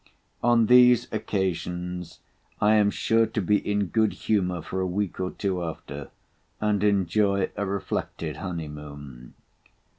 On these occasions I am sure to be in good humour for a week or two after, and enjoy a reflected honey moon.